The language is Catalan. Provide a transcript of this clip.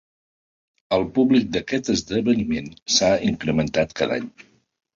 El públic d'aquest esdeveniment s'ha incrementat cada any.